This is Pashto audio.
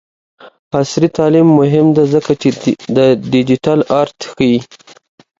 عصري تعلیم مهم دی ځکه چې د ډیجیټل آرټ ښيي.